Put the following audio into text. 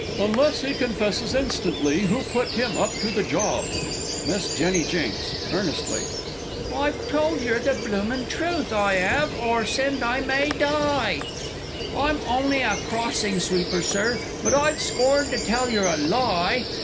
Unless he confesses instantly who put him up to the job! Miss J. J. (earnestly). I've told yer the bloomin' truth, I 'ave or send I may die! I'm on'y a Crossing sweeper, Sir, but I'd scorn to tell yer a lie!